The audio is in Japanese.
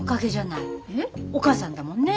お母さんだもんね